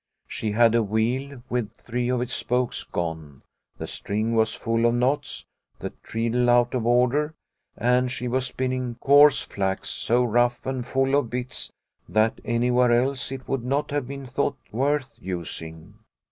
She had a wheel with three of its spokes gone, the string was full of knots, the treadle out of order, and she was spinning coarse flax so rough and full of bits that anywhere else it would not have been thought worth using.